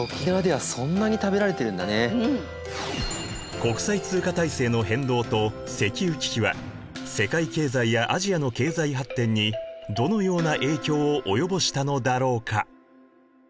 国際通貨体制の変動と石油危機は世界経済やアジアの経済発展にどのような影響を及ぼしたのだろうか？